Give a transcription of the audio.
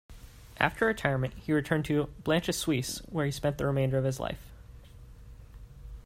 After retirement he returned to Blanchisseuse where he spent the remainder of his life.